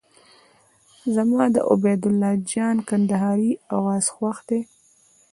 زما د عبید الله جان کندهاري اواز خوښ دی.